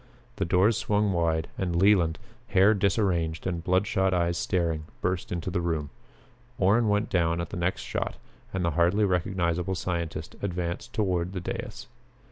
The doors swung wide and Leland, hair disarranged and bloodshot eyes staring, burst into the room. Orrin went down at the next shot and the hardly recognizable scientist advanced toward the dais.